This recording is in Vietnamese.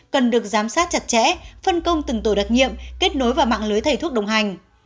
cần được giám sát chặt chẽ phân công từng tổ đặc nhiệm kết nối vào mạng lưới thầy thuốc đồng hành